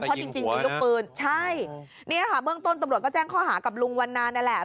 เพราะจริงมีลูกปืนใช่เนี่ยค่ะเบื้องต้นตำรวจก็แจ้งข้อหากับลุงวันนานั่นแหละ